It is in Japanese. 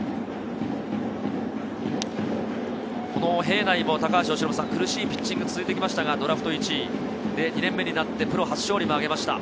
この平内も苦しいピッチングが続いてきましたが、ドラフト１位で２年目になってプロ初勝利も挙げました。